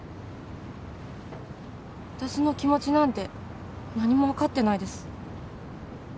私の気持ちなんて何も分かってないです